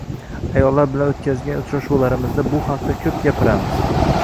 Ayollar bilan o`tkazgan uchrashuvlarimizda bu haqida ko`p gapiramiz